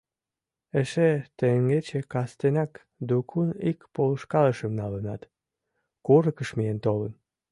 Эше теҥгече кастенак дукун ик полышкалышым налынат, курыкыш миен толын.